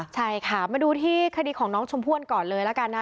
ใช่ค่ะมาดูที่คดีของน้องชมพู่ก่อนเลยละกันนะ